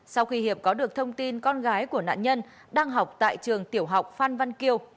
sau khi hiệp có được thông tin con gái của nạn nhân đang học tại trường tiểu học phan văn kiều